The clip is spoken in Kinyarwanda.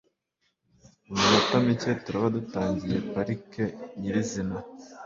Mu minota mike turaba dutangiye pariki nyirizina.